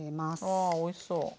ああおいしそう。